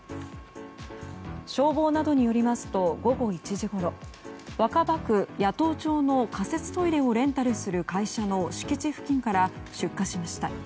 消防などによりますと午後１時ごろ若葉区谷当町の仮設トイレをレンタルする会社の敷地付近から出火しました。